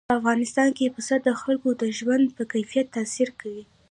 په افغانستان کې پسه د خلکو د ژوند په کیفیت تاثیر کوي.